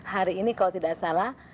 hari ini kalau tidak salah